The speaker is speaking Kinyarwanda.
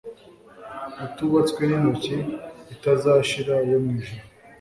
itubatswe n intoki itazashira yo mu ijuru